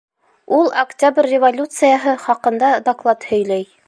Ул Октябрь революцияһы хаҡында доклад һөйләй.